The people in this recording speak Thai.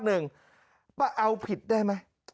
เอาผิดได้ไหม